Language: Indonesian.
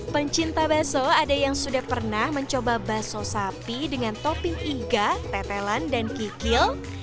pencinta bakso ada yang sudah pernah mencoba bakso sapi dengan topping iga tetelan dan kikil